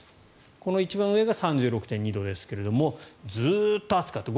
この一番上が３６．２度ですがずっと暑かった。